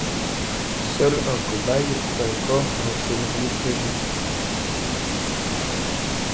Seul un cobaye croit encore à un scénario prévu.